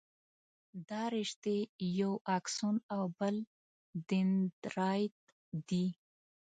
دا رشتې یو اکسون او بل دنداریت دي.